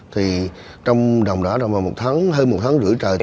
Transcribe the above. thì trong đồng đã là vào một tháng hơn một tháng rưỡi trời